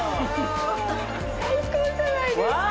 最高じゃないですか。